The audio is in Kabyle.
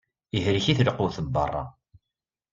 Ihlek-it lqut n berra.